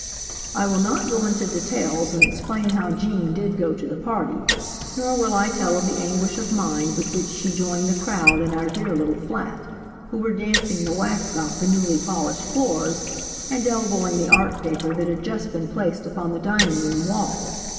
I will not go into details and explain how Gene did go to the party, nor will I tell of the anguish of mind with which she joined the crowd in our dear little flat, who were dancing the wax off the newly polished floors, and elbowing the art paper that had just been placed upon the dining room wall.